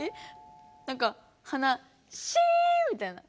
なんか鼻シーン！みたいな。